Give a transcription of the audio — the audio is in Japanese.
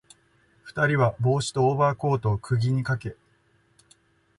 二人は帽子とオーバーコートを釘にかけ、